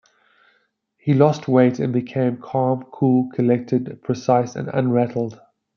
He lost weight and became "calm, cool, collected, precise, and unrattled".